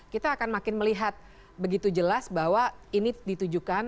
kita akan makin melihat begitu jelas bahwa ini ditujukan